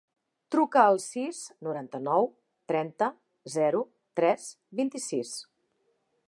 Truca al sis, noranta-nou, trenta, zero, tres, vint-i-sis.